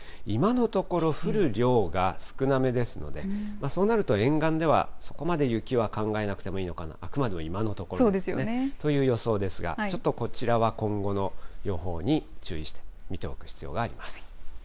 今のところ、降る量が少なめですので、そうなると沿岸では、そこまで雪は考えなくてもいいのかな、あくまでも今のところ、という予想ですが、ちょっとこちらは今後の予報に注意して見ておく必要があります。